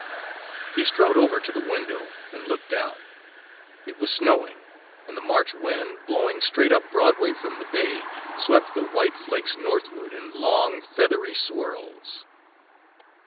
He strode over to the window and looked out. It was snowing, and the March wind, blowing straight up Broadway from the bay, swept the white flakes northward in long, feathery swirls.